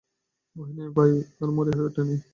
ভয় নেই ভাই, এখনো মরিয়া হয়ে উঠি নি।